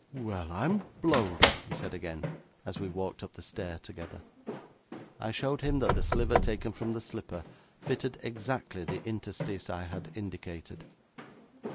'Well, I'm blowed!' he said again, as we walked up the stair together. I showed him that the sliver taken from the slipper fitted exactly the interstice I had indicated.